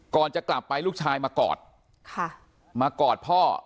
ก่อนจะกลับไปลูกชายมากอดค่ะมากอดพ่อ